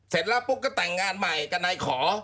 เสร็จแล้วปุ๊บก็แต่งงานใหม่กับนายขอ